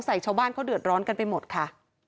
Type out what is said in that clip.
ชาวบ้านเขาเดือดร้อนกันไปหมดค่ะ